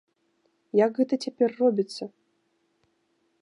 Як гэта цяпер робіцца?